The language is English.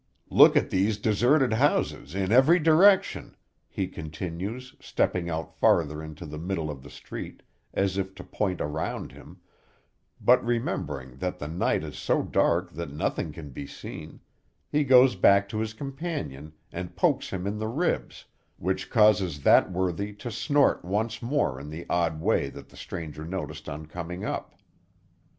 Look at these deserted houses in every direction," he continues, stepping out farther into the middle of the street, as if to point around him, but remembering that the night is so dark that nothing can be seen, he goes back to his companion, and pokes him in the ribs, which causes that worthy to snort once more in the odd way that the stranger noticed on coming up.